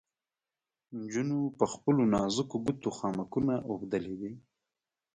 نجونو په خپلو نازکو ګوتو خامکونه اوبدلې وې.